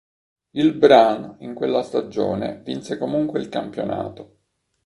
Il Brann, in quella stagione, vinse comunque il campionato.